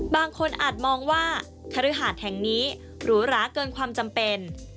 บางคนอาจมองว่าคฤหาดแห่งนี้หรูหราเกินความจำเป็น